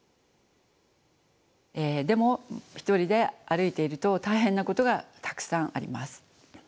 でも一人で歩いていると大変なことがたくさんあります。